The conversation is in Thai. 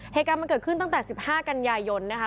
เหตุการณ์มันเกิดขึ้นตั้งแต่๑๕กันยายนนะคะ